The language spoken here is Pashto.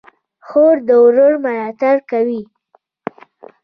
خور د ورور ملاتړ کوي.